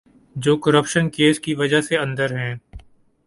جو corruption cases کی وجہ سے اندر ہیں۔